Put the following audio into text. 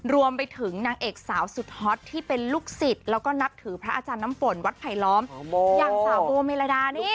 รวมไปถึงนางเอกสาวสุดฮอตที่เป็นลูกศิษย์แล้วก็นับถือพระอาจารย์น้ำฝนวัดไผลล้อมอย่างสาวโบเมลดานี่